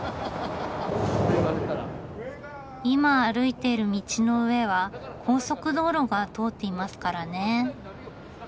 今歩いている道の上は高速道路が通っていますからね。